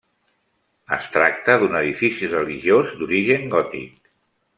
Es tracta d'un edifici religiós d'origen gòtic.